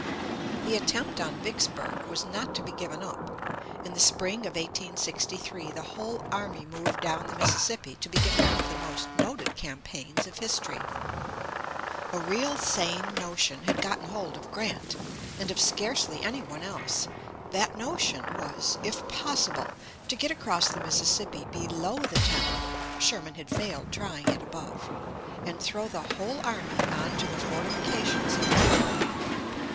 The attempt on Vicksburg was not to be given up. In the spring of 1863 the whole army moved down the Mississippi to begin one of the most noted campaigns of history. A real sane notion had gotten hold of Grant, and of scarcely anyone else. That notion was, if possible, to get across the Mississippi below the town (Sherman had failed trying it above) and throw the whole army on to the fortifications at the rear.